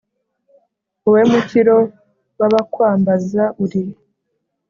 wowe mukiro w'abakwambaza, uri